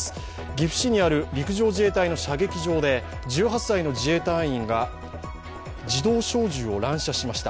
岐阜市にある陸上自衛隊の射撃場で１８歳の自衛隊員が自動小銃を乱射しました。